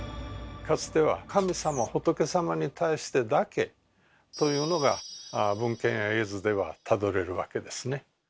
かつては神様・仏様に対してだけというのが文献や絵図ではたどれるわけですね。